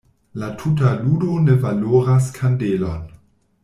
La tuta ludo ne valoras kandelon.